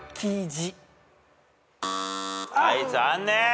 はい残念。